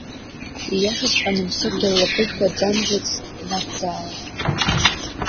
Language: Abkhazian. Ииашаҵәҟьаны, Мсыгәда ллаԥықәшәа дамжьацызт ианакәзаалакь.